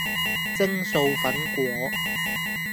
蒸素粉果